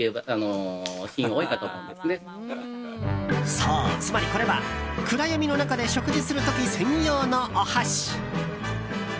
そう、つまりこれは暗闇の中で食事する時専用のお箸。